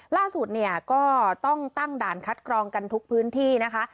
ล่าสุดเนี่ยก็ต้องตั้งด่านคัดกรองกันทุกพื้นที่นะคะ